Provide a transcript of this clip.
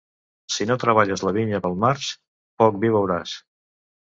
Si no treballes la vinya pel març, poc vi beuràs.